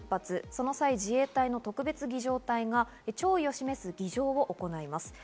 その際、自衛隊の特別儀仗隊が弔意を示す儀仗を行います。